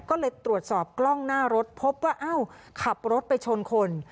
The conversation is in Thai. ก็เลยตรวจสอบกล้องหน้ารถพบว่าอ้าวขับรถไปชนคน